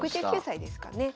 ６９歳ですかね。